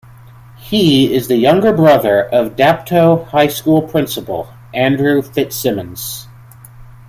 He is the younger brother of Dapto High School Principal, Andrew FitzSimons.